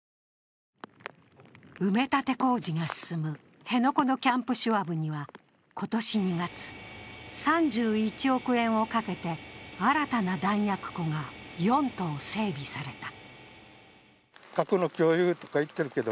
埋め立て工事が進む辺野古のキャンプ・シュワブには今年２月３１億円をかけて新たな弾薬庫が４棟整備された。